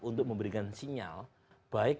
untuk memberikan sinyal baik